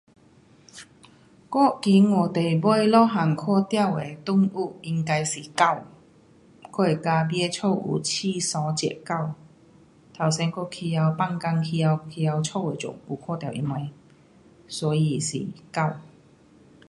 我觉得最后一次看到的动物应该是狗，我的隔壁家有养三只狗，头先我回家，放工回家回家家的就有看到它们，所以是狗。